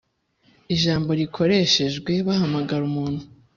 ijambo rikoreshejwe bahamagara umuntu